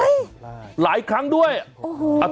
ไอ้หลายครั้งด้วยโอ๊ยโอ้โห